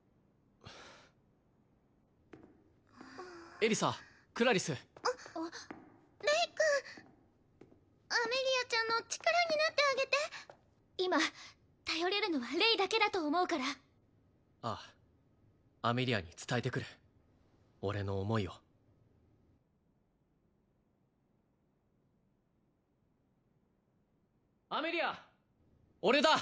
エリサクラリスレイ君アメリアちゃんの力になってあげて今頼れるのはレイだけだと思うからああアメリアに伝えてくる俺の思いをアメリア俺だ